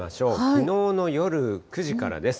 きのうの夜９時からです。